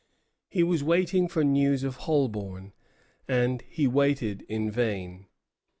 He was waiting for news of Holbourne, and he waited in vain.